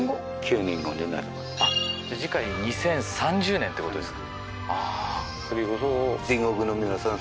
２０３０年ってことですか